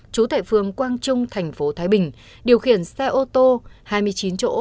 chú tại phương quang trung thành phố thái bình điều khiển xe ô tô hai mươi chín chỗ